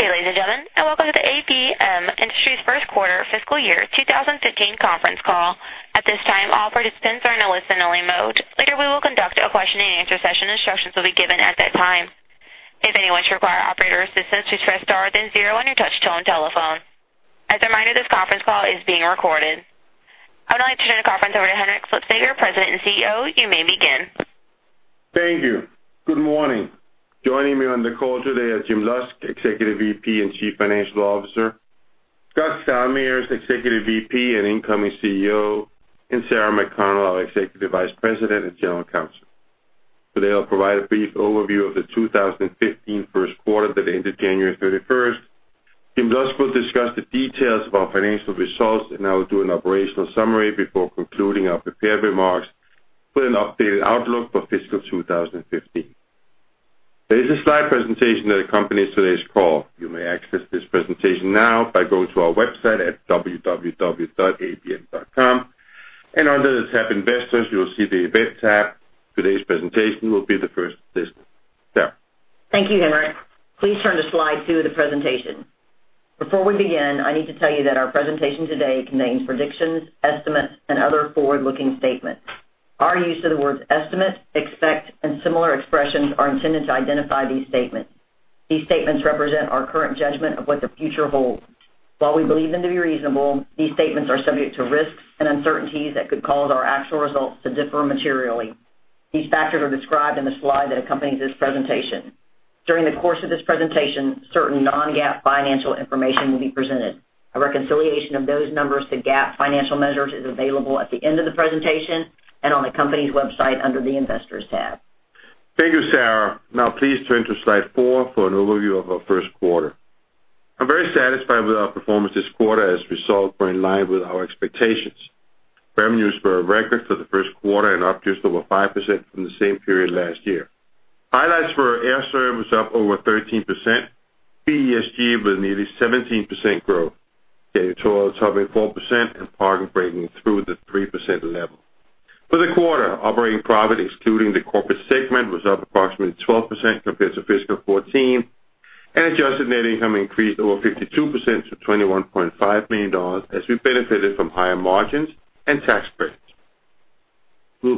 Good day, ladies and gentlemen, and welcome to the ABM Industries first quarter fiscal year 2015 conference call. At this time, all participants are in a listen-only mode. Later, we will conduct a question-and-answer session. Instructions will be given at that time. If anyone should require operator assistance, please press star then 0 on your touch-tone telephone. As a reminder, this conference call is being recorded. I would now like to turn the conference over to Henrik Slipsager, President and CEO. You may begin. Thank you. Good morning. Joining me on the call today are James Lusk, Executive VP and Chief Financial Officer, Scott Salmirs, Executive VP and incoming CEO, and Sarah McConnell, our Executive Vice President and General Counsel. Today, I'll provide a brief overview of the 2015 first quarter that ended January 31st. James Lusk will discuss the details of our financial results. I will do an operational summary before concluding our prepared remarks with an updated outlook for fiscal 2015. There is a slide presentation that accompanies today's call. You may access this presentation now by going to our website at www.abm.com. Under the tab Investors, you will see the Event tab. Today's presentation will be the first listing. Sarah. Thank you, Henrik. Please turn to slide two of the presentation. Before we begin, I need to tell you that our presentation today contains predictions, estimates, and other forward-looking statements. Our use of the words estimate, expect, and similar expressions are intended to identify these statements. These statements represent our current judgment of what the future holds. While we believe them to be reasonable, these statements are subject to risks and uncertainties that could cause our actual results to differ materially. These factors are described in the slide that accompanies this presentation. During the course of this presentation, certain non-GAAP financial information will be presented. A reconciliation of those numbers to GAAP financial measures is available at the end of the presentation and on the company's website under the Investors tab. Thank you, Sarah. Please turn to slide four for an overview of our first quarter. I'm very satisfied with our performance this quarter as results were in line with our expectations. Revenues were a record for the first quarter and up just over 5% from the same period last year. Highlights were Air Serv up over 13%, ESG with nearly 17% growth, janitorial is up at 4%, and parking breaking through the 3% level. For the quarter, operating profit excluding the corporate segment was up approximately 12% compared to fiscal 2014. Adjusted net income increased over 52% to $21.5 million as we benefited from higher margins and tax credits. In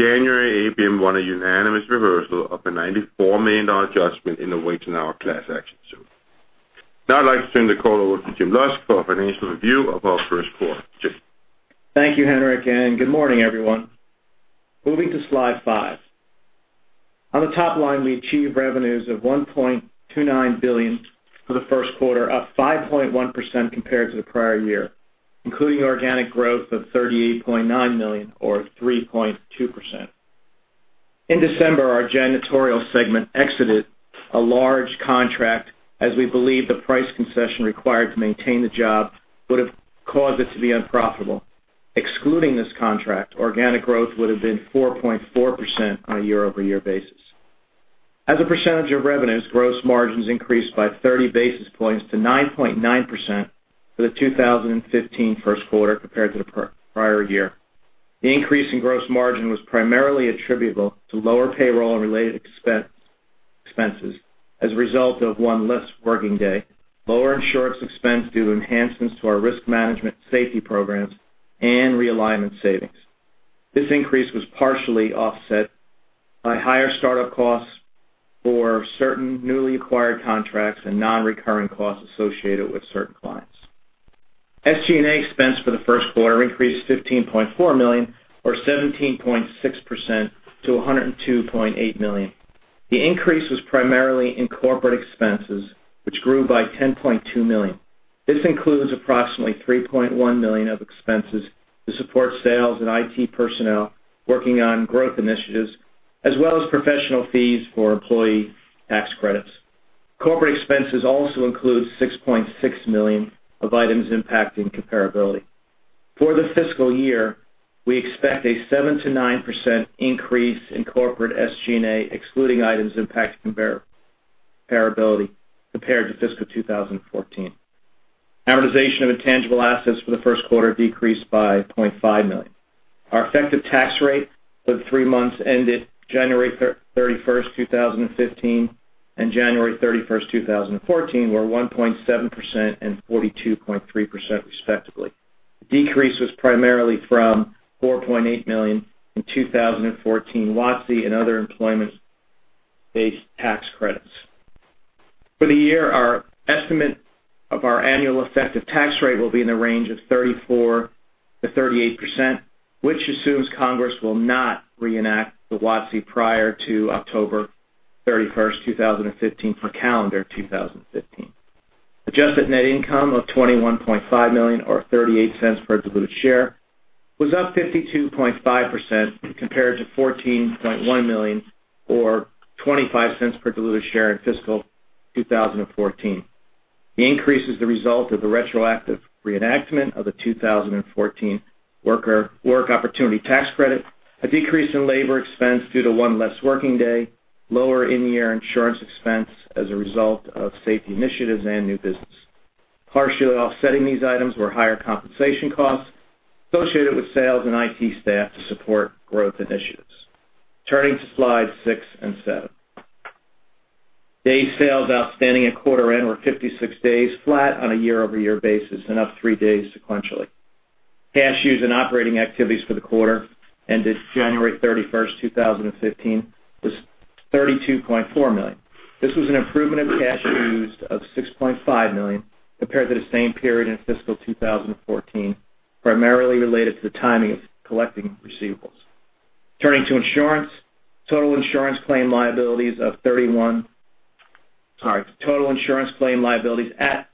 January, ABM won a unanimous reversal of a $94 million adjustment in the Waitr now class action suit. Now I'd like to turn the call over to Jim Lusk for a financial review of our first quarter. Jim. Thank you, Henrik, and good morning, everyone. Moving to slide five. On the top line, we achieved revenues of $1.29 billion for the first quarter, up 5.1% compared to the prior year, including organic growth of $38.9 million or 3.2%. In December, our janitorial segment exited a large contract as we believe the price concession required to maintain the job would have caused it to be unprofitable. Excluding this contract, organic growth would have been 4.4% on a year-over-year basis. As a percentage of revenues, gross margins increased by 30 basis points to 9.9% for the 2015 first quarter compared to the prior year. The increase in gross margin was primarily attributable to lower payroll and related expenses as a result of one less working day, lower insurance expense due to enhancements to our risk management safety programs, and realignment savings. This increase was partially offset by higher startup costs for certain newly acquired contracts and non-recurring costs associated with certain clients. SG&A expense for the first quarter increased to $15.4 million or 17.6% to $102.8 million. The increase was primarily in corporate expenses, which grew by $10.2 million. This includes approximately $3.1 million of expenses to support sales and IT personnel working on growth initiatives, as well as professional fees for employee tax credits. Corporate expenses also include $6.6 million of items impacting comparability. For the fiscal year, we expect a 7%-9% increase in corporate SG&A, excluding items impacting comparability compared to fiscal 2014. Amortization of intangible assets for the first quarter decreased by $0.5 million. Our effective tax rate for the three months ended January 31st, 2015, and January 31st, 2014, were 1.7% and 42.3% respectively. The decrease was primarily from $4.8 million in 2014 WOTC and other employment-based tax credits. For the year, our estimate of our annual effective tax rate will be in the range of 34%-38%, which assumes Congress will not reenact the WOTC prior to October 31st, 2015, for calendar 2015. Adjusted net income of $21.5 million or $0.38 per diluted share was up 52.5% compared to $14.1 million or $0.25 per diluted share in fiscal 2014. The increase is the result of the retroactive reenactment of the 2014 Work Opportunity Tax Credit, a decrease in labor expense due to one less working day, lower in-year insurance expense as a result of safety initiatives and new business. Partially offsetting these items were higher compensation costs associated with sales and IT staff to support growth initiatives. Turning to slides six and seven. Day sales outstanding at quarter end were 56 days flat on a year-over-year basis and up three days sequentially. Cash used in operating activities for the quarter ended January 31st, 2015, was $32.4 million. This was an improvement of cash used of $6.5 million compared to the same period in fiscal 2014, primarily related to the timing of collecting receivables. Turning to insurance. Total insurance claim liabilities at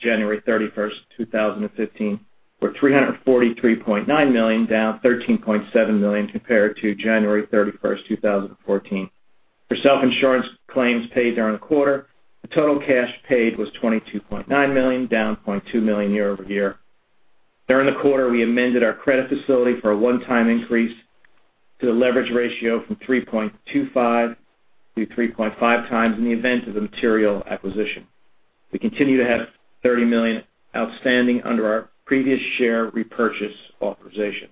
January 31st, 2015, were $343.9 million, down $13.7 million compared to January 31st, 2014. For self-insurance claims paid during the quarter, the total cash paid was $22.9 million, down $2 million year-over-year. During the quarter, we amended our credit facility for a one-time increase to the leverage ratio from 3.25 to 3.5 times in the event of a material acquisition. We continue to have $30 million outstanding under our previous share repurchase authorization.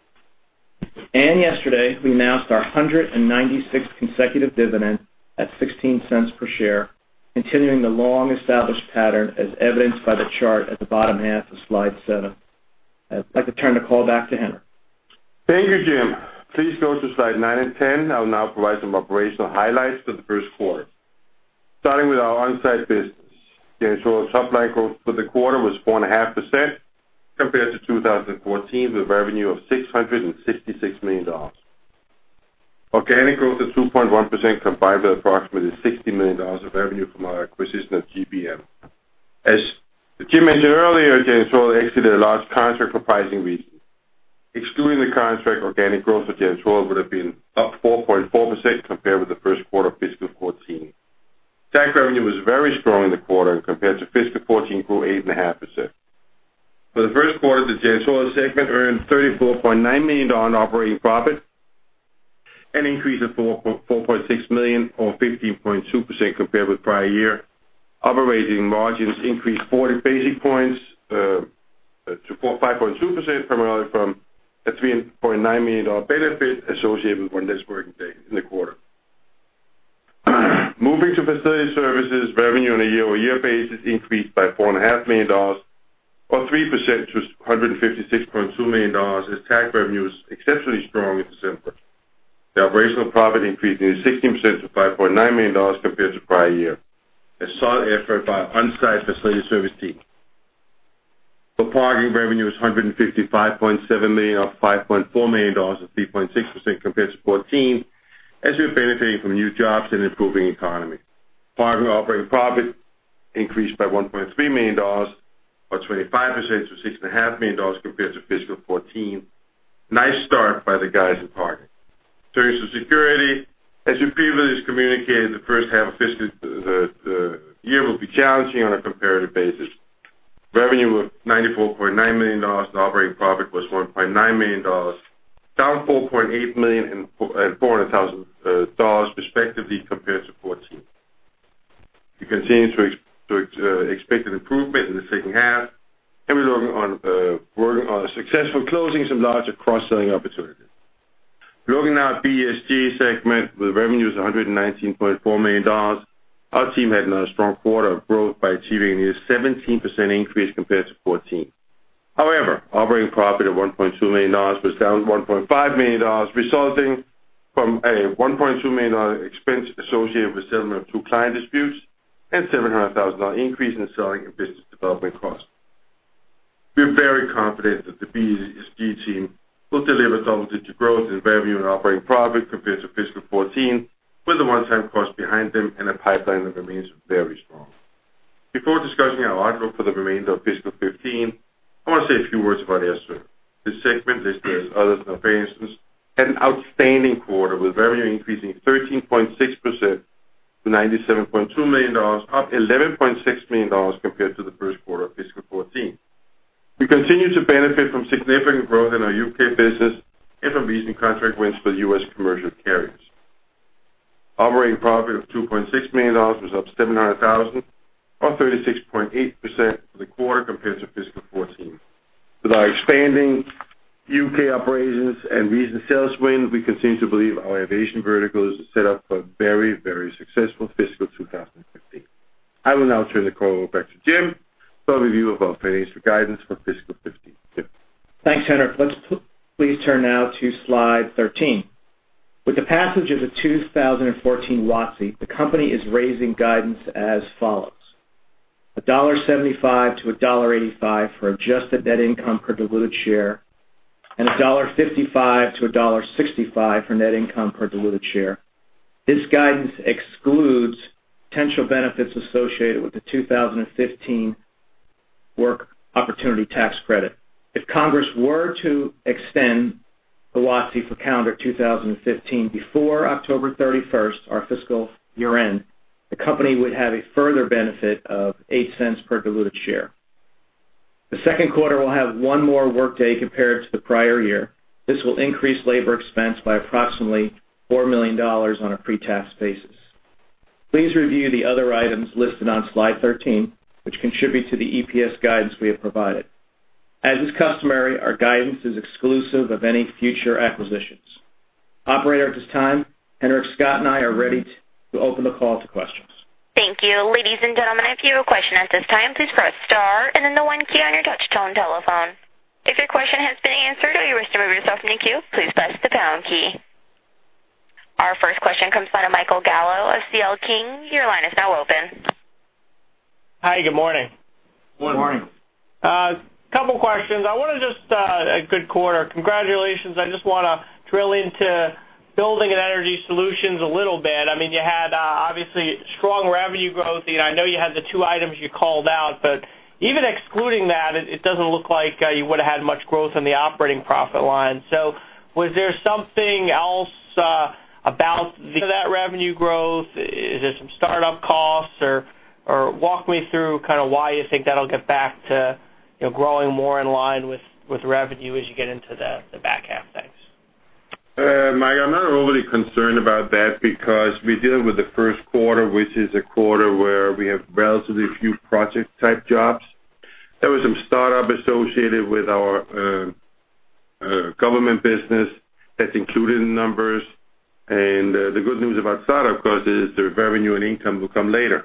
Yesterday, we announced our 196th consecutive dividend at $0.16 per share, continuing the long-established pattern as evidenced by the chart at the bottom half of slide seven. I'd like to turn the call back to Henrik. Thank you, Jim. Please go to slide nine and 10. I will now provide some operational highlights for the first quarter. Starting with our onsite business. JanSan supply growth for the quarter was 4.5% compared to 2014, with revenue of $666 million. Organic growth of 2.1% combined with approximately $60 million of revenue from our acquisition of GBM. As Jim mentioned earlier, JanSan exceeded a large contract for pricing reasons. Excluding the contract, organic growth for JanSan would have been up 4.4% compared with the first quarter of fiscal 2014. Tag revenue was very strong in the quarter and compared to fiscal 2014, grew 8.5%. For the first quarter, the JanSan segment earned $34.9 million operating profit, an increase of $4.6 million or 15.2% compared with prior year. Operating margins increased 40 basis points to 5.2%, primarily from a $3.9 million benefit associated with one less working day in the quarter. Moving to facility services, revenue on a year-over-year basis increased by $4.5 million or 3% to $156.2 million as tax revenue was exceptionally strong in December. The operational profit increased near 16% to $5.9 million compared to prior year. A solid effort by our on-site facility service team. For parking revenue is $155.7 million, up $5.4 million or 3.6% compared to 2014, as we are benefiting from new jobs and improving economy. Parking operating profit increased by $1.3 million or 25% to $6.5 million compared to fiscal 2014. Nice start by the guys in parking. Turning to security. As we previously communicated, the first half of the year will be challenging on a comparative basis. Revenue of $94.9 million and operating profit was $1.9 million, down $4.8 million and $400,000 respectively compared to 2014. We continue to expect an improvement in the second half, and we're working on successful closing some larger cross-selling opportunities. Looking at our ESG segment with revenues of $119.4 million, our team had another strong quarter of growth by achieving a 17% increase compared to 2014. However, operating profit of $1.2 million was down $1.5 million, resulting from a $1.2 million expense associated with the settlement of two client disputes and $700,000 increase in selling and business development costs. We are very confident that the ESG team will deliver double-digit growth in revenue and operating profit compared to fiscal 2014, with the one-time cost behind them and a pipeline that remains very strong. Before discussing our outlook for the remainder of fiscal 2015, I want to say a few words about Air Serv. This segment listed as others in operations, had an outstanding quarter, with revenue increasing 13.6% to $97.2 million, up $11.6 million compared to the first quarter of fiscal 2014. We continue to benefit from significant growth in our U.K. business and from recent contract wins for the U.S. commercial carriers. Operating profit of $2.6 million was up $700,000 or 36.8% for the quarter compared to fiscal 2014. With our expanding U.K. operations and recent sales wins, we continue to believe our aviation vertical is set up for a very successful fiscal 2015. I will now turn the call back to Jim for an overview of our financial guidance for fiscal 2015. Jim? Thanks, Henrik. Let's please turn now to slide 13. With the passage of the 2014 WOTC, the company is raising guidance as follows: $1.75-$1.85 for adjusted net income per diluted share and $1.55-$1.65 for net income per diluted share. This guidance excludes potential benefits associated with the 2015 Work Opportunity Tax Credit. If Congress were to extend the WOTC for calendar 2015 before October 31st, our fiscal year end, the company would have a further benefit of $0.08 per diluted share. The second quarter will have one more workday compared to the prior year. This will increase labor expense by approximately $4 million on a pre-tax basis. Please review the other items listed on slide 13, which contribute to the EPS guidance we have provided. As is customary, our guidance is exclusive of any future acquisitions. Operator, at this time, Henrik, Scott, and I are ready to open the call to questions. Thank you. Ladies and gentlemen, if you have a question at this time, please press star and then the 1 key on your touch-tone telephone. If your question has been answered or you wish to remove yourself from the queue, please press the pound key. Our first question comes from Michael Gallo of C.L. King. Your line is now open. Hi, good morning. Good morning. A couple questions. A good quarter. Congratulations. I just want to drill into Building and Energy Solutions a little bit. You had, obviously, strong revenue growth. I know you had the two items you called out, but even excluding that, it doesn't look like you would've had much growth in the operating profit line. Was there something else about that revenue growth? Is there some startup costs? Walk me through kind of why you think that'll get back to growing more in line with revenue as you get into the back half. Thanks. Mike, I'm not overly concerned about that because we're dealing with the first quarter, which is a quarter where we have relatively few project-type jobs. There was some startup associated with our government business. That's included in the numbers. The good news about startup costs is the revenue and income will come later.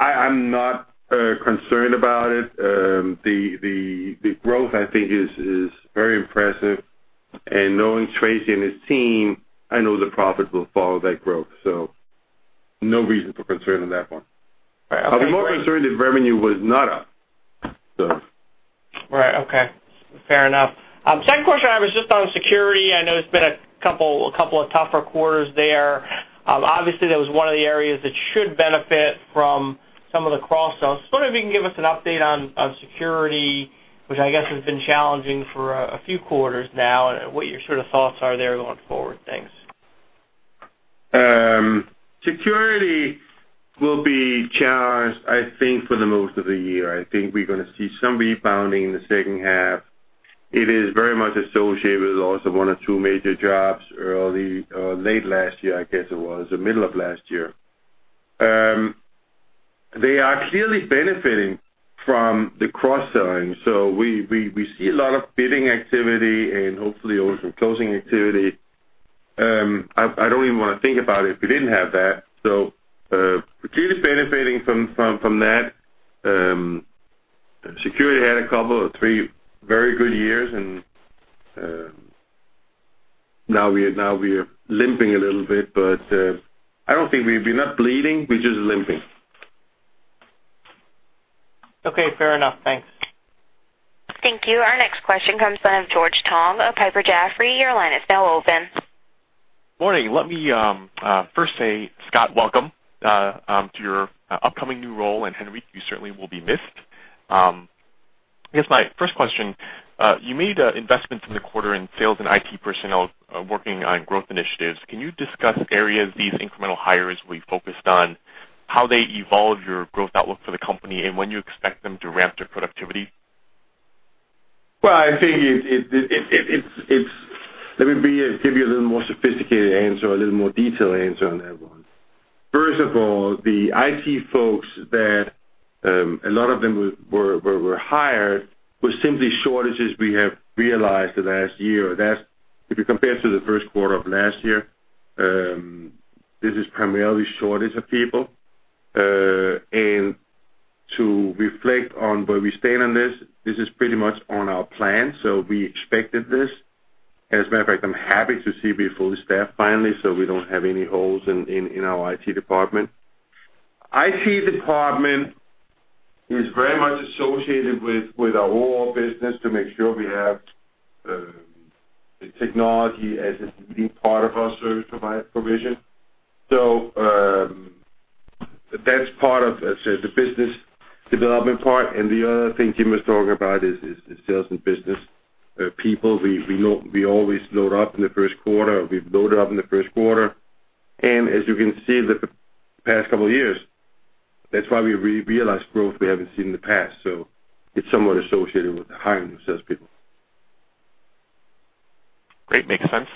I'm not concerned about it. The growth, I think, is very impressive. Knowing Tracy and his team, I know the profits will follow that growth. No reason for concern on that one. Right. Okay. I'd be more concerned if revenue was not up. Right. Okay. Fair enough. Second question I have is just on security. I know it's been a couple of tougher quarters there. Obviously, that was one of the areas that should benefit from some of the cross-sells. Just wondering if you can give us an update on security, which I guess has been challenging for a few quarters now, and what your sort of thoughts are there going forward. Thanks. Security will be challenged, I think, for the most of the year. I think we're going to see some rebounding in the second half. It is very much associated with the loss of one or two major jobs late last year, I guess it was. The middle of last year. They are clearly benefiting from the cross-selling. We see a lot of bidding activity and hopefully also closing activity. I don't even want to think about it if we didn't have that. Clearly benefiting from that. Security had a couple or three very good years. Now we are limping a little bit. We're not bleeding. We're just limping. Okay, fair enough. Thanks. Thank you. Our next question comes from George Tong of Piper Jaffray. Your line is now open. Morning. Let me first say, Scott, welcome to your upcoming new role. Henrik, you certainly will be missed. I guess my first question, you made investments in the quarter in sales and IT personnel working on growth initiatives. Can you discuss areas these incremental hires will be focused on, how they evolve your growth outlook for the company, and when you expect them to ramp their productivity? Well, let me give you a little more sophisticated answer, a little more detailed answer on that one. First of all, the IT folks that, a lot of them were hired, were simply shortages we have realized the last year. If you compare to the first quarter of last year, this is primarily a shortage of people. To reflect on where we stand on this is pretty much on our plan. We expected this. As a matter of fact, I'm happy to see we're fully staffed finally, so we don't have any holes in our IT department. IT department is very much associated with our overall business to make sure we have the technology as a leading part of our service provision. That's part of the business development part. The other thing Jim was talking about is sales and business people. We always load up in the first quarter, or we loaded up in the first quarter. As you can see the past couple of years, that's why we realized growth we haven't seen in the past. It's somewhat associated with the hiring of salespeople. Great. Makes sense.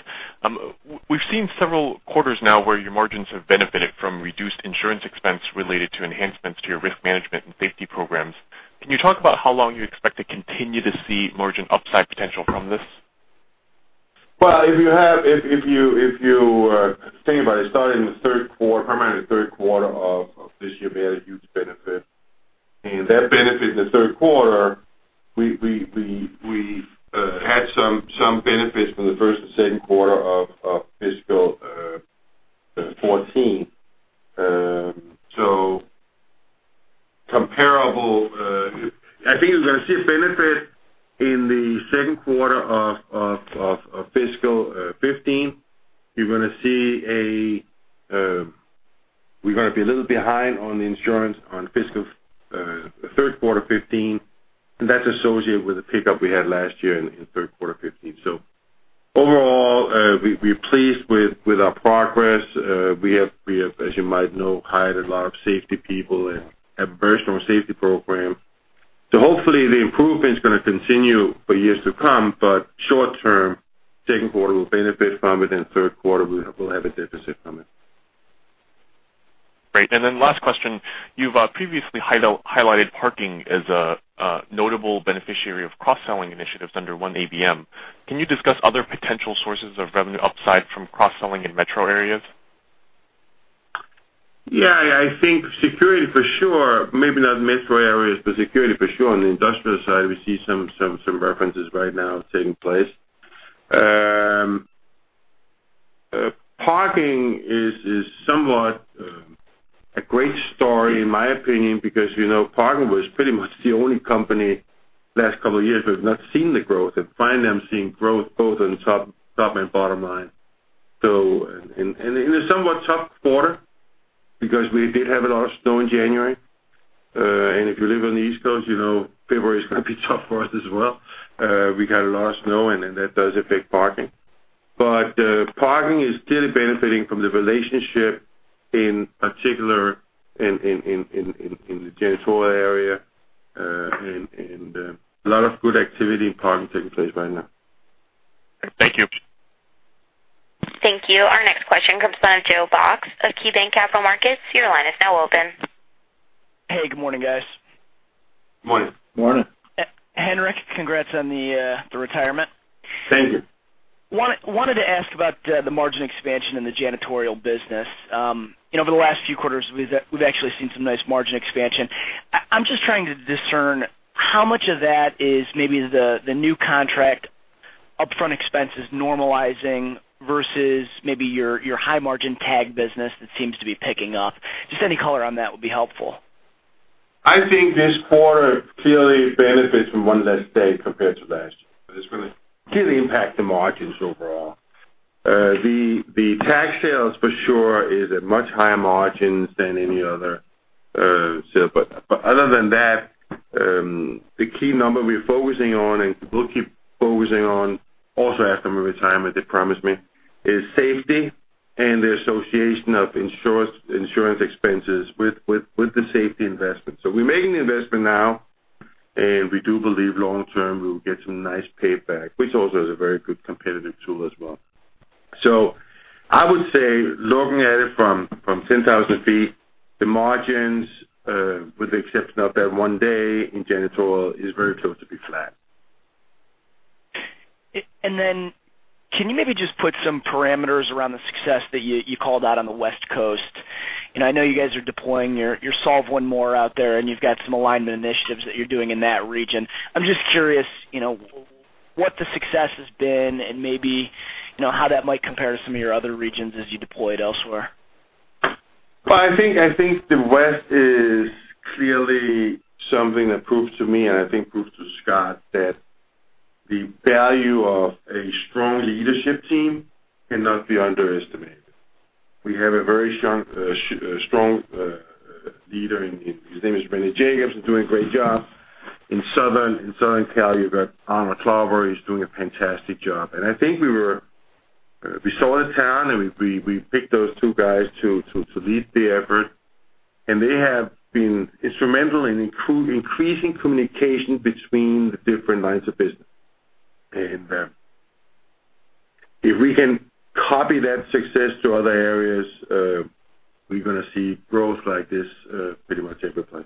We've seen several quarters now where your margins have benefited from reduced insurance expense related to enhancements to your risk management and safety programs. Can you talk about how long you expect to continue to see margin upside potential from this? Well, if you think about it, starting primarily the third quarter of this year, we had a huge benefit. That benefit in the third quarter, we had some benefits from the first and second quarter of fiscal 2014. I think you're gonna see a benefit in the second quarter of fiscal 2015. We're gonna be a little behind on the insurance on third quarter 2015, and that's associated with the pickup we had last year in third quarter 2015. Overall, we're pleased with our progress. We have, as you might know, hired a lot of safety people and have [burst] our safety program. So hopefully the improvement is going to continue for years to come, but short term, second quarter, we'll benefit from it, and third quarter, we'll have a deficit from it. Great. Then last question. You've previously highlighted parking as a notable beneficiary of cross-selling initiatives under One ABM. Can you discuss other potential sources of revenue upside from cross-selling in metro areas? I think security for sure. Maybe not metro areas, but security for sure. On the industrial side, we see some references right now taking place. Parking is somewhat a great story, in my opinion, because parking was pretty much the only company last couple of years we've not seen the growth, and finally I'm seeing growth both on top and bottom line. It is somewhat tough quarter because we did have a lot of snow in January. If you live on the East Coast, you know February is going to be tough for us as well. We got a lot of snow and then that does affect parking. Parking is still benefiting from the relationship, in particular, in the Janitorial area, and a lot of good activity in parking taking place right now. Thank you. Thank you. Our next question comes from Joe Box of KeyBanc Capital Markets. Your line is now open. Hey, good morning, guys. Morning. Morning. Henrik, congrats on the retirement. Thank you. Wanted to ask about the margin expansion in the janitorial business. Over the last few quarters, we've actually seen some nice margin expansion. I'm just trying to discern how much of that is maybe the new contract upfront expenses normalizing versus maybe your high margin tag business that seems to be picking up. Just any color on that would be helpful. I think this quarter clearly benefits from one less day compared to last year. It's going to clearly impact the margins overall. The tag sales for sure is a much higher margin than any other sale. Other than that, the key number we're focusing on, and we'll keep focusing on also after my retirement, they promised me, is safety and the association of insurance expenses with the safety investment. We're making the investment now, and we do believe long term we'll get some nice payback, which also is a very good competitive tool as well. I would say, looking at it from 10,000 feet, the margins, with the exception of that one day in janitorial, is very close to be flat. Can you maybe just put some parameters around the success that you called out on the West Coast? I know you guys are deploying your Solve One More out there, and you've got some alignment initiatives that you're doing in that region. I'm just curious what the success has been and maybe how that might compare to some of your other regions as you deploy it elsewhere. I think the West is clearly something that proves to me, and I think proves to Scott that the value of a strong leadership team cannot be underestimated. We have a very strong leader, his name is Randy Jacobs, doing a great job. In Southern Cal, you've got Arnold Claver. He's doing a fantastic job. I think we saw the talent, and we picked those two guys to lead the effort. They have been instrumental in increasing communication between the different lines of business. If we can copy that success to other areas, we're going to see growth like this pretty much every place.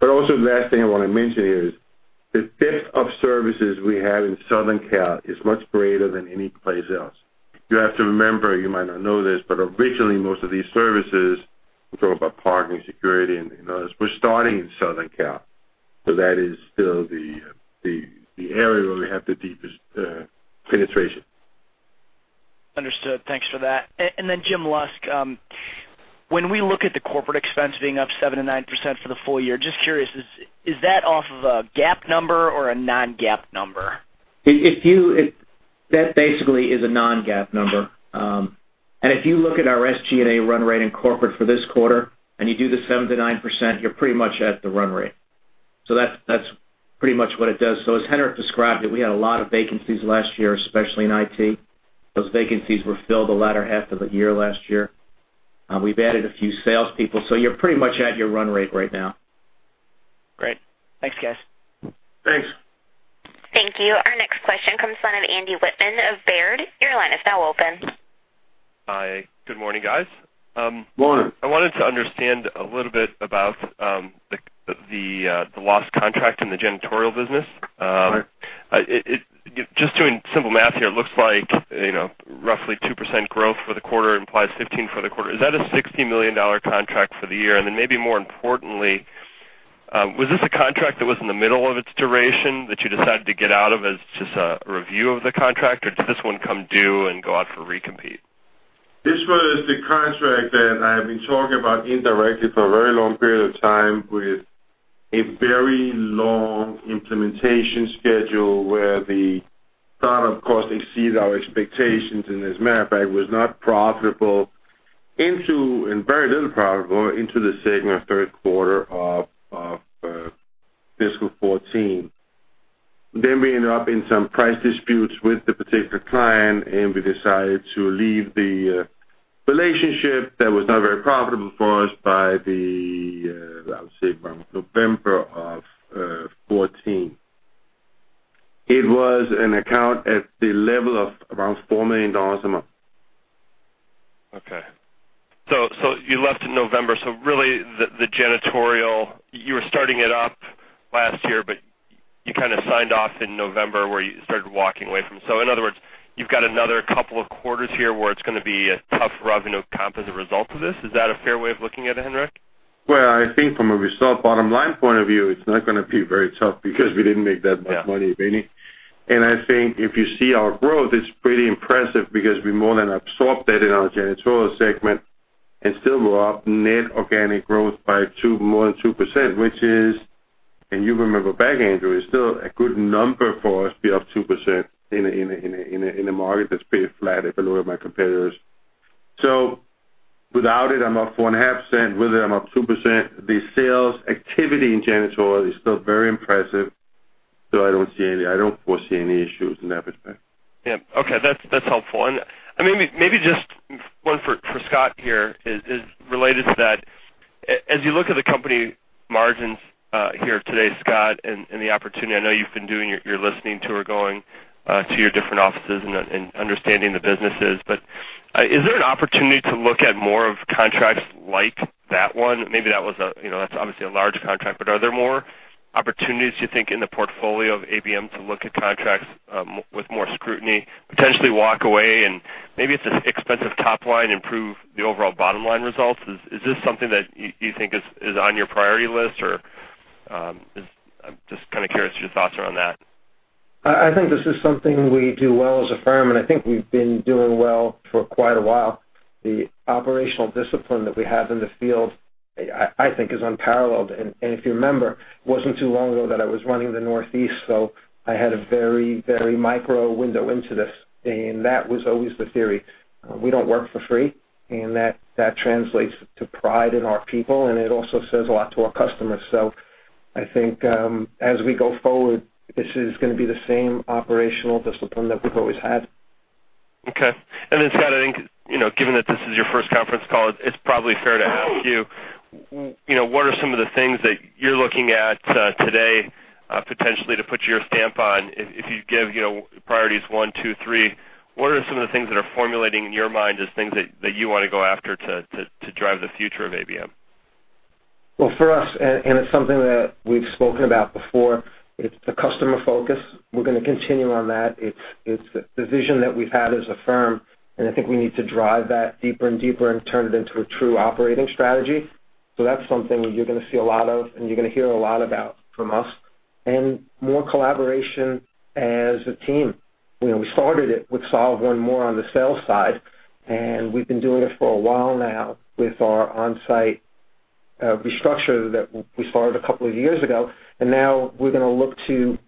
The last thing I want to mention here is the depth of services we have in Southern Cal is much greater than any place else. You have to remember, you might not know this, originally, most of these services, we talk about parking, security, and others, were starting in Southern Cal. That is still the area where we have the deepest penetration. Understood. Thanks for that. James Lusk, when we look at the corporate expense being up 7%-9% for the full year, just curious, is that off of a GAAP number or a non-GAAP number? That basically is a non-GAAP number. If you look at our SG&A run rate in corporate for this quarter, you do the 7%-9%, you're pretty much at the run rate. That's pretty much what it does. As Henrik described it, we had a lot of vacancies last year, especially in IT. Those vacancies were filled the latter half of the year last year. We've added a few salespeople. You're pretty much at your run rate right now. Great. Thanks, guys. Thanks. Thank you. Our next question comes from Andy Wittmann of Baird. Your line is now open. Hi. Good morning, guys. Morning. I wanted to understand a little bit about the lost contract in the janitorial business. Right. Just doing simple math here, it looks like roughly 2% growth for the quarter implies 15 for the quarter. Is that a $60 million contract for the year? Maybe more importantly, was this a contract that was in the middle of its duration that you decided to get out of as just a review of the contract, or did this one come due and go out for recompete? This was the contract that I have been talking about indirectly for a very long period of time with a very long implementation schedule where the startup cost exceeded our expectations, and as a matter of fact, was not profitable, and very little profitable into the second or third quarter of fiscal 2014. We ended up in some price disputes with the particular client, and we decided to leave the relationship that was not very profitable for us by the, I would say, around November of 2014. It was an account at the level of around $4 million a month. You left in November. Really, the janitorial, you were starting it up last year, but you kind of signed off in November where you started walking away from. In other words, you've got another couple of quarters here where it's going to be a tough revenue comp as a result of this. Is that a fair way of looking at it, Henrik? Well, I think from a resolved bottom-line point of view, it's not going to be very tough because we didn't make that much money, if any. I think if you see our growth, it's pretty impressive because we more than absorbed that in our janitorial segment and still were up net organic growth by more than 2%, which is, and you remember back, Andrew, is still a good number for us to be up 2% in a market that's pretty flat if I look at my competitors. Without it, I'm up 4.5%; with it, I'm up 2%. The sales activity in janitorial is still very impressive, I don't foresee any issues in that respect. Yeah. Okay. That's helpful. Maybe just one for Scott here is related to that. As you look at the company margins here today, Scott, and the opportunity, I know you've been doing your listening tour, going to your different offices and understanding the businesses, but is there an opportunity to look at more of contracts like that one? Maybe that's obviously a large contract, but are there more opportunities, you think, in the portfolio of ABM to look at contracts with more scrutiny, potentially walk away, and maybe it's an expensive top line, improve the overall bottom-line results? Is this something that you think is on your priority list, or I'm just kind of curious your thoughts around that. I think this is something we do well as a firm, I think we've been doing well for quite a while. The operational discipline that we have in the field, I think, is unparalleled. If you remember, it wasn't too long ago that I was running the Northeast, I had a very micro window into this. That was always the theory. We don't work for free, that translates to pride in our people, it also says a lot to our customers. I think, as we go forward, this is going to be the same operational discipline that we've always had. Okay. Scott, I think, given that this is your first conference call, it's probably fair to ask you, what are some of the things that you're looking at today potentially to put your stamp on? If you give priorities one, two, three, what are some of the things that are formulating in your mind as things that you want to go after to drive the future of ABM? Well, for us, and it's something that we've spoken about before, it's the customer focus. We're going to continue on that. It's the vision that we've had as a firm, and I think we need to drive that deeper and deeper and turn it into a true operating strategy. That's something you're going to see a lot of and you're going to hear a lot about from us. More collaboration as a team. We started it with Solve One More on the sales side, and we've been doing it for a while now with our onsite restructure that we started a couple of years ago. Now we're going to look to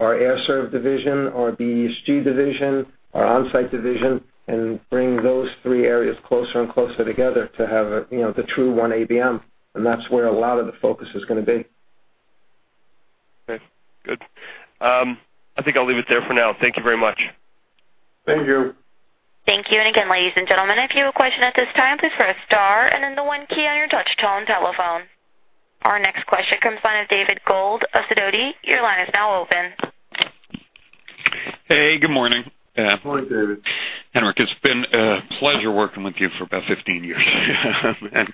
our Air Serv division, our BESG division, our onsite division, and bring those three areas closer and closer together to have the true One ABM, and that's where a lot of the focus is going to be. Okay, good. I think I'll leave it there for now. Thank you very much. Thank you. Thank you. Again, ladies and gentlemen, if you have a question at this time, please press star and then the one key on your touch tone telephone. Our next question comes from David Gold of Sidoti. Your line is now open. Hey, good morning. Good morning, David. Henrik, it's been a pleasure working with you for about 15 years. Thanks,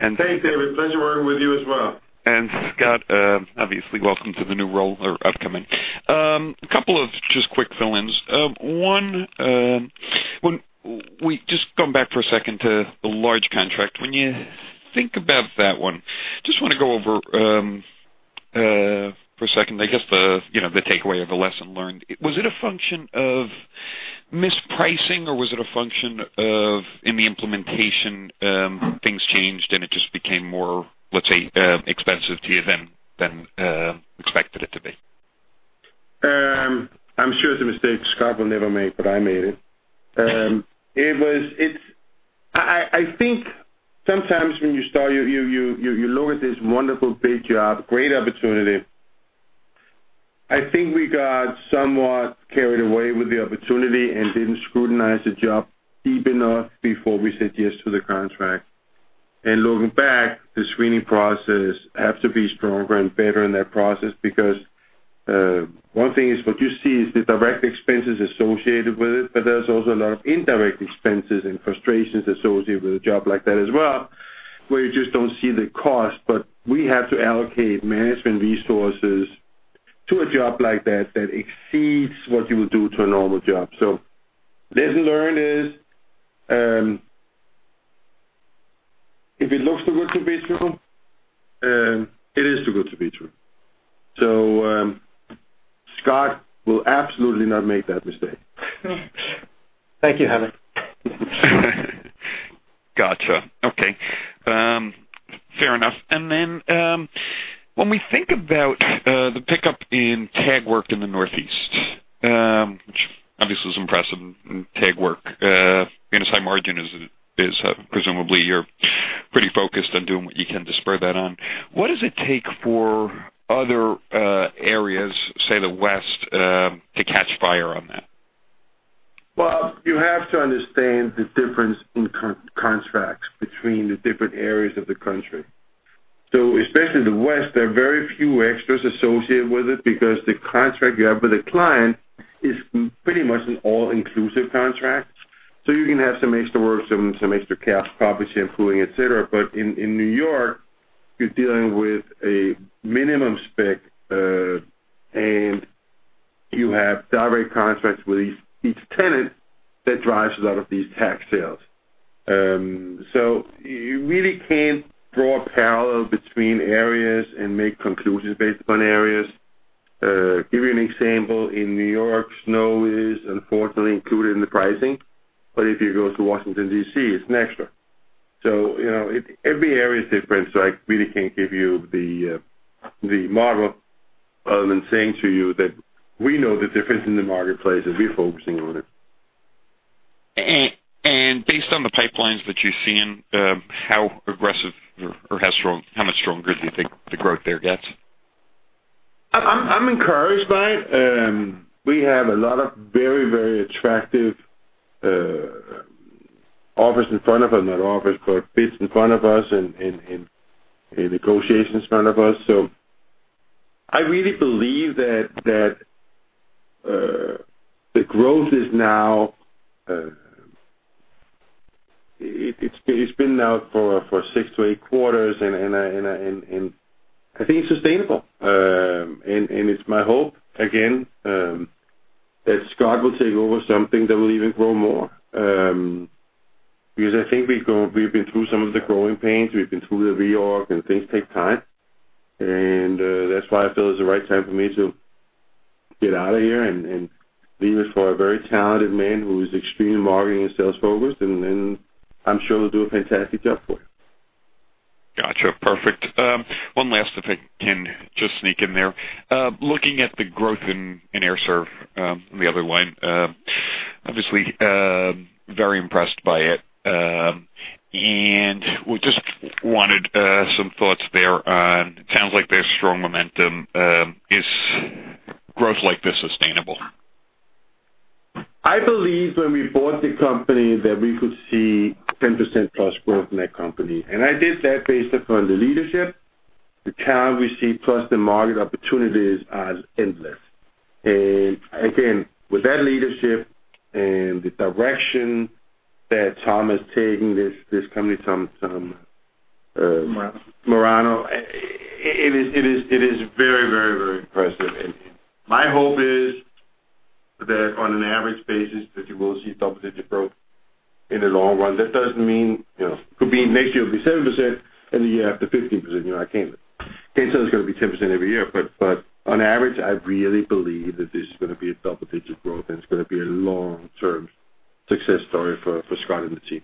David. Pleasure working with you as well. Scott, obviously, welcome to the new role, or upcoming. A couple of just quick fill-ins. One, just going back for a second to the large contract. When you think about that one, just want to go over, for a second, I guess the takeaway of a lesson learned. Was it a function of mispricing, or was it a function of in the implementation, things changed and it just became more, let's say, expensive to you than expected it to be? I'm sure it's a mistake Scott will never make, but I made it. I think sometimes when you start, you look at this wonderful, big job, great opportunity. I think we got somewhat carried away with the opportunity and didn't scrutinize the job deep enough before we said yes to the contract. Looking back, the screening process have to be stronger and better in that process because, one thing is what you see is the direct expenses associated with it, but there's also a lot of indirect expenses and frustrations associated with a job like that as well, where you just don't see the cost. We have to allocate management resources to a job like that that exceeds what you would do to a normal job. Lesson learned is, if it looks too good to be true, it is too good to be true. Scott will absolutely not make that mistake. Thank you, Henrik. When we think about the pickup in tag work in the Northeast, which obviously is impressive in tag work. Inside margin is presumably you're pretty focused on doing what you can to spur that on. What does it take for other areas, say, the West, to catch fire on that? You have to understand the difference in contracts between the different areas of the country. Especially the West, there are very few extras associated with it because the contract you have with a client is pretty much an all-inclusive contract. You can have some extra work, some extra carpet shampooing, et cetera. In New York, you're dealing with a minimum spec, and you have direct contracts with each tenant that drives a lot of these tag sales. You really can't draw a parallel between areas and make conclusions based upon areas. Give you an example. In New York, snow is unfortunately included in the pricing. If you go to Washington, D.C., it's an extra. Every area is different, so I really can't give you the model other than saying to you that we know the difference in the marketplace, and we're focusing on it. Based on the pipelines that you're seeing, how aggressive or how much stronger do you think the growth there gets? I'm encouraged by it. We have a lot of very attractive offers in front of us, not offers, but bids in front of us and negotiations in front of us. I really believe that the growth is now It's been now for six to eight quarters, and I think it's sustainable. It's my hope, again, that Scott will take over something that will even grow more. I think we've been through some of the growing pains, we've been through the reorg, and things take time. That's why I feel it's the right time for me to get out of here and leave it for a very talented man who is extremely marketing and sales-focused, and I'm sure he'll do a fantastic job for you. Got you. Perfect. One last, if I can just sneak in there. Looking at the growth in Air Serv, the other one, obviously, very impressed by it. We just wanted some thoughts there on, sounds like there's strong momentum. Is growth like this sustainable? I believe when we bought the company that we could see 10% plus growth in that company. I did that based upon the leadership, the talent we see, plus the market opportunities as endless. Again, with that leadership and the direction that Tom is taking this company. [Marano]. [Marano]. It is very impressive. My hope is that on an average basis, that you will see double-digit growth in the long run. That doesn't mean next year it'll be 7%, and the year after 15%. I can't tell you it's going to be 10% every year. On average, I really believe that this is going to be a double-digit growth, and it's going to be a long-term success story for Scott and the team.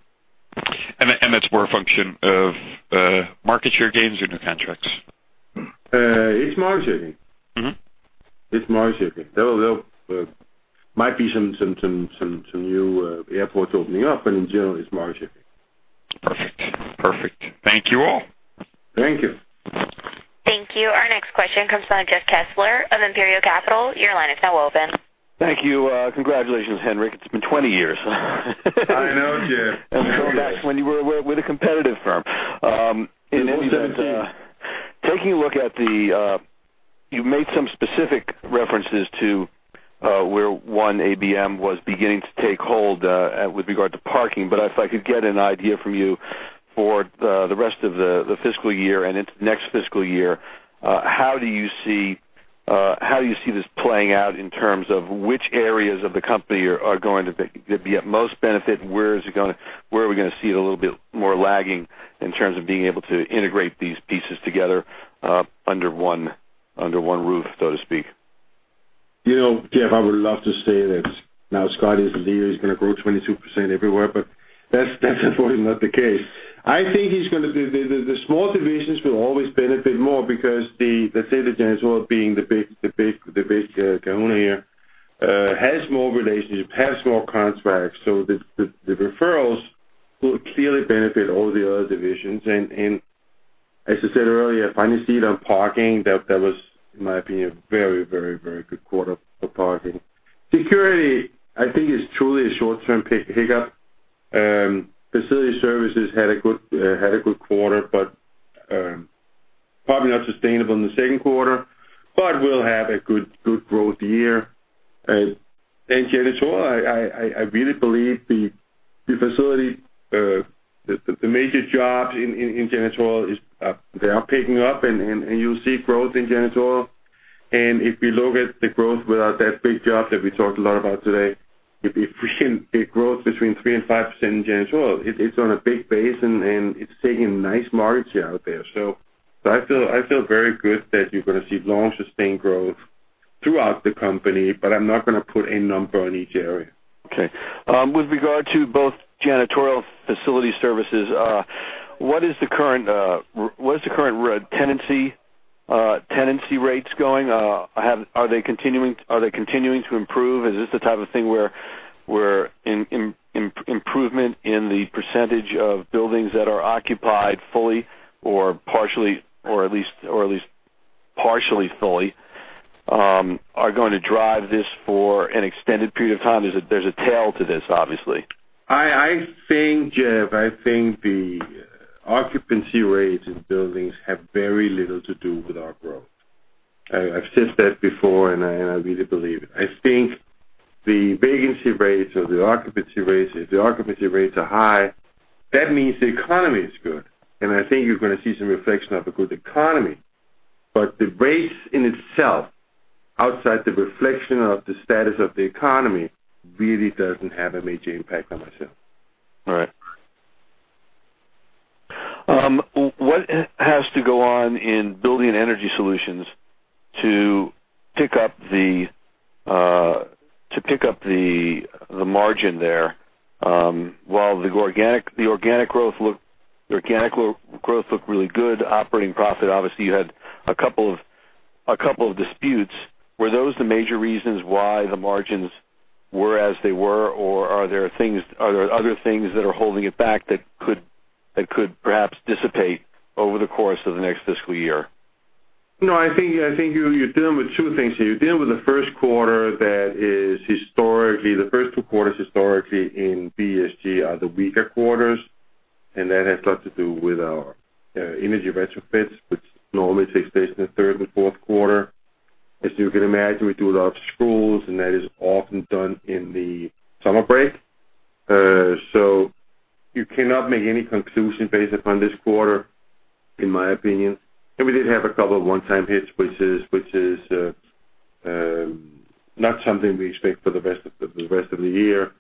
That's more a function of market share gains or new contracts? It's market share gains. It's market share gains. There might be some new airports opening up, but in general, it's market share gains. Perfect. Thank you all. Thank you. Thank you. Our next question comes from Jeff Kessler of Imperial Capital. Your line is now open. Thank you. Congratulations, Henrik. It's been 20 years. I know, Jeff. 20 years. Going back to when you were with a competitive firm. It will be that. Taking a look at the You made some specific references to where One ABM was beginning to take hold with regard to parking. If I could get an idea from you for the rest of the fiscal year and into the next fiscal year, how do you see this playing out in terms of which areas of the company are going to be at most benefit, and where are we going to see it a little bit more lagging in terms of being able to integrate these pieces together under one roof, so to speak? Jeff, I would love to say that now Scott is the leader, he's going to grow 22% everywhere, but that's unfortunately not the case. I think the small divisions will always benefit more because let's say the janitorial being the big kahuna here, has more relationships, has more contracts. The referrals will clearly benefit all the other divisions. As I said earlier, finally see it on parking. That was, in my opinion, a very good quarter for parking. Security, I think it's truly a short-term hiccup. Facility services had a good quarter, but probably not sustainable in the second quarter. We'll have a good growth year. Janitorial, I really believe the major jobs in janitorial, they are picking up, and you'll see growth in janitorial. If you look at the growth without that big job that we talked a lot about today, you'd be seeing a growth between 3% and 5% in janitorial. It's on a big base, and it's taking nice market share out there. I feel very good that you're going to see long, sustained growth throughout the company, I'm not going to put a number on each area. Okay. With regard to both janitorial facility services, what is the current tenancy Tenancy rates going, are they continuing to improve? Is this the type of thing where improvement in the percentage of buildings that are occupied fully or partially, or at least partially fully, are going to drive this for an extended period of time? There's a tail to this, obviously. I think, Jeff, the occupancy rates in buildings have very little to do with our growth. I've said that before. I really believe it. I think the vacancy rates or the occupancy rates, if the occupancy rates are high, that means the economy is good. I think you're going to see some reflection of a good economy. The rates in itself, outside the reflection of the status of the economy, really doesn't have a major impact by myself. All right. What has to go on in Building & Energy Solutions to pick up the margin there? While the organic growth looked really good, operating profit, obviously, you had a couple of disputes. Were those the major reasons why the margins were as they were, or are there other things that are holding it back that could perhaps dissipate over the course of the next fiscal year? No, I think you're dealing with two things. You're dealing with the first quarter that is historically, the first two quarters historically in [PSG] are the weaker quarters. That has a lot to do with our energy retrofits, which normally takes place in the third and fourth quarter. As you can imagine, we do a lot of schools. That is often done in the summer break. You cannot make any conclusion based upon this quarter, in my opinion. We did have a couple of one-time hits, which is not something we expect for the rest of the year.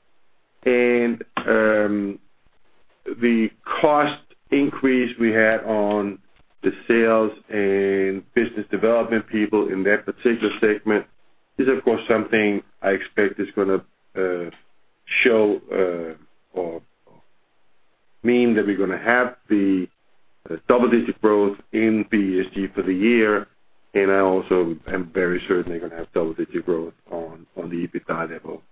The cost increase we had on the sales and business development people in that particular segment is, of course, something I expect is going to show or mean that we're going to have the double-digit growth in [PSG] for the year. I also am very certain they're going to have double-digit growth on the EBITDA level.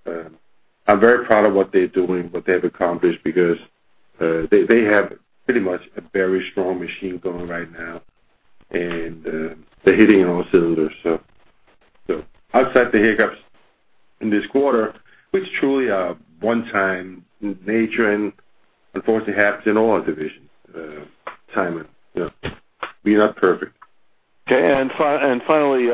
I'm very proud of what they're doing, what they have accomplished because they have pretty much a very strong machine going right now. They're hitting on all cylinders. Outside the hiccups in this quarter, which truly are one time in nature. Unfortunately happens in all our divisions. Timing. We're not perfect. Okay. Finally,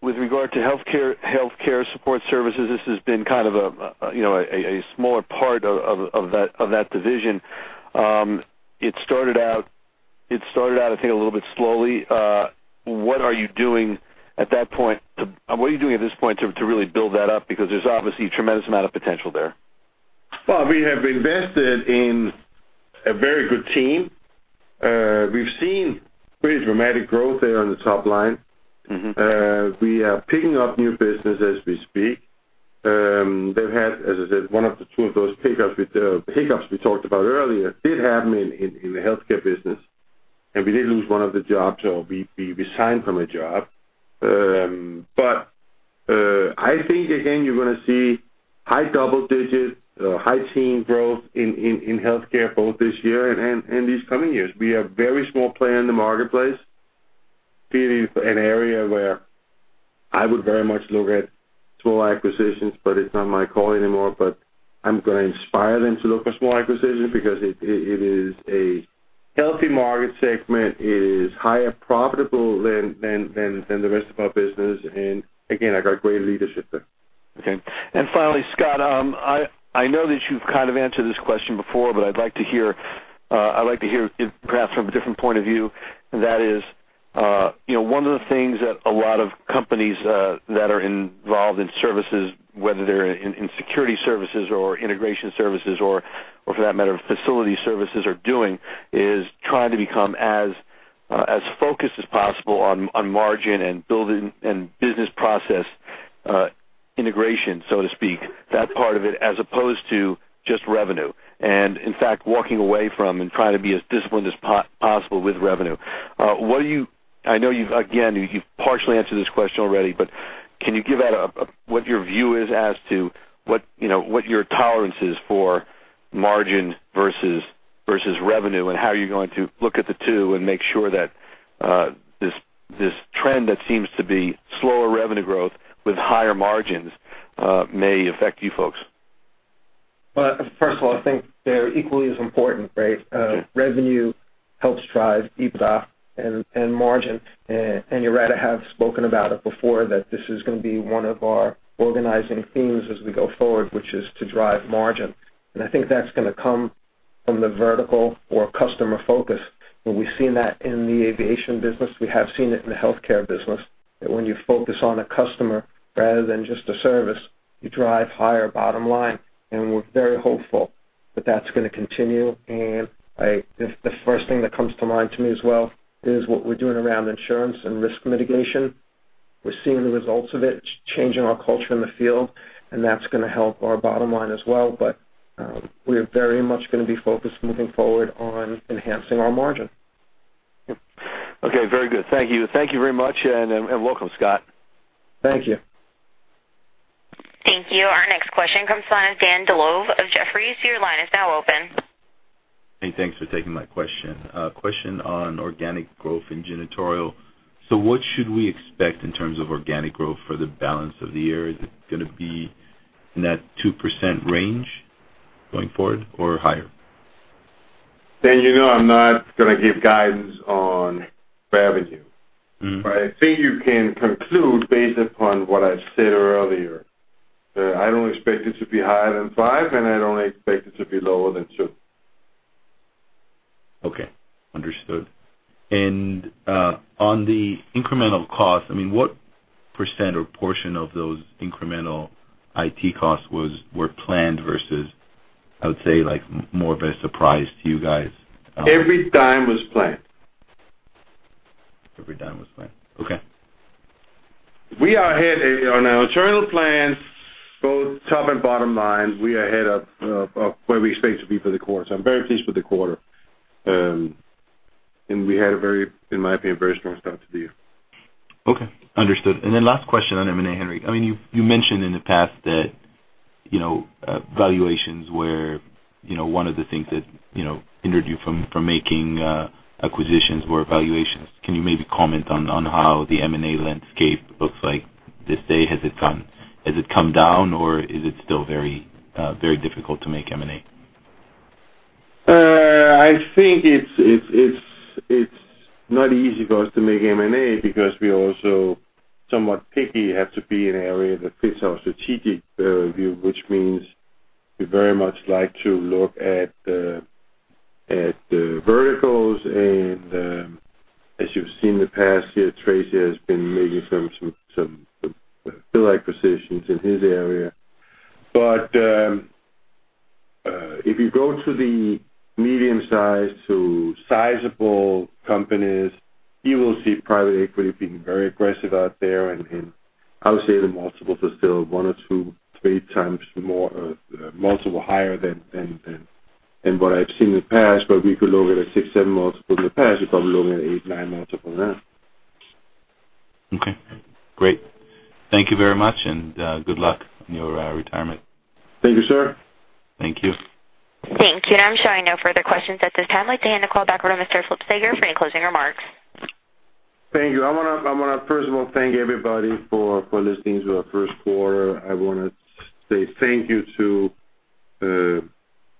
with regard to healthcare support services, this has been kind of a smaller part of that division. It started out, I think, a little bit slowly. What are you doing at this point to really build that up? Because there's obviously a tremendous amount of potential there. Well, we have invested in a very good team. We've seen pretty dramatic growth there on the top line. We are picking up new business as we speak. They've had, as I said, one of the two of those hiccups we talked about earlier did happen in the healthcare business, and we did lose one of the jobs, or we resigned from a job. I think, again, you're going to see high double digits, high teen growth in healthcare both this year and these coming years. We are a very small player in the marketplace. It is an area where I would very much look at small acquisitions, but it's not my call anymore. I'm going to inspire them to look for small acquisitions because it is a healthy market segment. It is higher profitable than the rest of our business. Again, I got great leadership there. Okay. Finally, Scott, I know that you've kind of answered this question before, but I'd like to hear it perhaps from a different point of view, and that is, one of the things that a lot of companies that are involved in services, whether they're in security services or integration services or for that matter, facility services are doing, is trying to become as focused as possible on margin and building and business process integration, so to speak, that part of it, as opposed to just revenue. In fact, walking away from and trying to be as disciplined as possible with revenue. I know you've, again, you've partially answered this question already, can you give out what your view is as to what your tolerance is for margin versus revenue, and how you're going to look at the two and make sure that this trend that seems to be slower revenue growth with higher margins may affect you folks? Well, first of all, I think they're equally as important, right? Sure. Revenue helps drive EBITDA and margin. Henrik have spoken about it before, that this is going to be one of our organizing themes as we go forward, which is to drive margin. I think that's going to come from the vertical or customer focus. We've seen that in the aviation business. We have seen it in the healthcare business, that when you focus on a customer rather than just a service, you drive higher bottom line. We're very hopeful that that's going to continue. The first thing that comes to mind to me as well is what we're doing around insurance and risk mitigation. We're seeing the results of it, changing our culture in the field, and that's going to help our bottom line as well. We're very much going to be focused moving forward on enhancing our margin. Okay, very good. Thank you. Thank you very much, and welcome, Scott. Thank you. Thank you. Our next question comes from Daniel D'Arrigo of Jefferies. Your line is now open. Hey, thanks for taking my question. A question on organic growth in janitorial. What should we expect in terms of organic growth for the balance of the year? Is it going to be in that 2% range going forward or higher? Dan, you know I'm not going to give guidance on revenue. I think you can conclude based upon what I've said earlier, that I don't expect it to be higher than five, and I don't expect it to be lower than two. Okay, understood. On the incremental cost, what % or portion of those incremental IT costs were planned versus, I would say, more of a surprise to you guys? Every dime was planned. Every dime was planned. Okay. We are ahead on our internal plans, both top and bottom line. We are ahead of where we expect to be for the quarter. I'm very pleased with the quarter. We had a very, in my opinion, very strong start to the year. Okay, understood. Last question on M&A, Henrik. You mentioned in the past that valuations were one of the things that hindered you from making acquisitions were valuations. Can you maybe comment on how the M&A landscape looks like this day? Has it come down, or is it still very difficult to make M&A? I think it's not easy for us to make M&A because we're also somewhat picky. It has to be in an area that fits our strategic view, which means we very much like to look at the verticals. As you've seen in the past year, Tracy has been making some good acquisitions in his area. If you go to the medium-sized to sizable companies, you will see private equity being very aggressive out there. I would say the multiples are still one to three times multiple higher than what I've seen in the past. Where we could look at a six, seven multiple in the past, you're probably looking at an eight, nine multiple now. Okay, great. Thank you very much, and good luck on your retirement. Thank you, sir. Thank you. Thank you. I'm showing no further questions at this time. I'd like to hand the call back over to Mr. Slipsager for any closing remarks. Thank you. I want to first of all thank everybody for listening to our first quarter. I want to say thank you to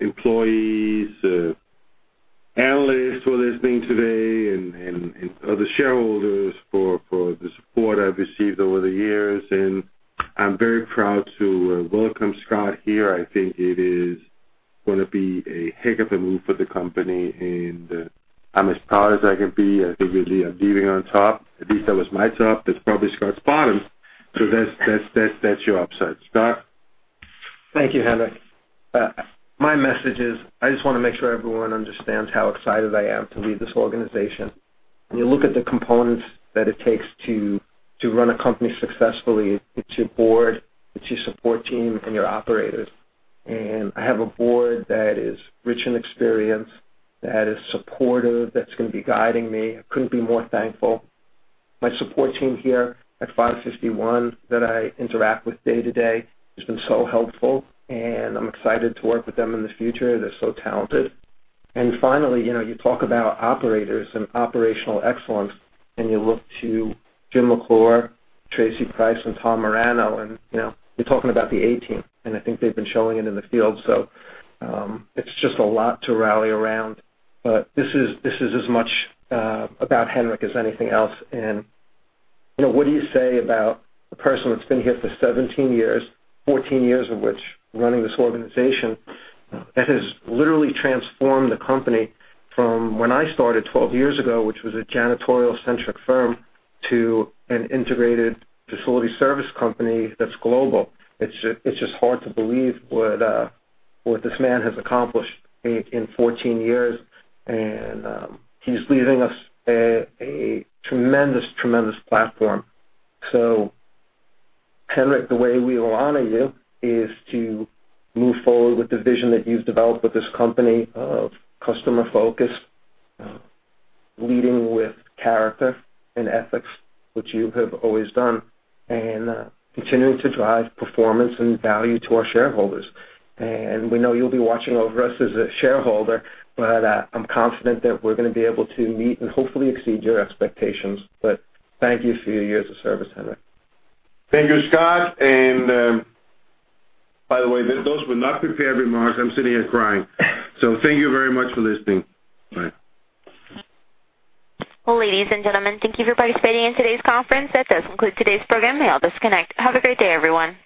employees, analysts for listening today, and other shareholders for the support I've received over the years. I'm very proud to welcome Scott here. I think it is going to be a heck of a move for the company, and I'm as proud as I can be. I think I'm leaving on top. At least that was my top. That's probably Scott's bottom. That's your upside. Scott? Thank you, Henrik. My message is, I just want to make sure everyone understands how excited I am to lead this organization. When you look at the components that it takes to run a company successfully, it's your board, it's your support team, and your operators. I have a board that is rich in experience, that is supportive, that's going to be guiding me. I couldn't be more thankful. My support team here at 551 that I interact with day-to-day has been so helpful, and I'm excited to work with them in the future. They're so talented. Finally, you talk about operators and operational excellence, and you look to Jim McClure, Tracy Price, and Tom Morano, and you're talking about the A-team. I think they've been showing it in the field. It's just a lot to rally around. This is as much about Henrik as anything else. What do you say about the person that's been here for 17 years, 14 years of which running this organization, that has literally transformed the company from when I started 12 years ago, which was a janitorial-centric firm, to an integrated facility service company that's global. It's just hard to believe what this man has accomplished in 14 years. He's leaving us a tremendous platform. Henrik, the way we will honor you is to move forward with the vision that you've developed with this company of customer focus, leading with character and ethics, which you have always done, and continuing to drive performance and value to our shareholders. We know you'll be watching over us as a shareholder, but I'm confident that we're going to be able to meet and hopefully exceed your expectations. Thank you for your years of service, Henrik. Thank you, Scott. By the way, those were not prepared remarks. I'm sitting here crying. Thank you very much for listening. Bye. Well, ladies and gentlemen, thank you for participating in today's conference. That does conclude today's program. You may all disconnect. Have a great day, everyone.